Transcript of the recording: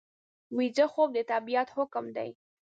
ویده خوب د طبیعت حکم دی